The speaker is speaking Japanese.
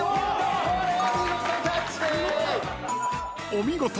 ［お見事！